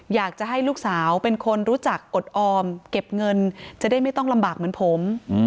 อยากจะให้ลูกสาวเป็นคนรู้จักอดออมเก็บเงินจะได้ไม่ต้องลำบากเหมือนผม